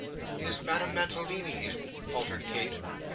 'Is Madame Mantalini in?' faltered Kate.